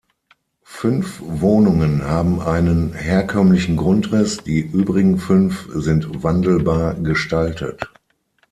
Fünf Wohnungen haben einen herkömmlichen Grundriss, die übrigen fünf sind wandelbar gestaltet.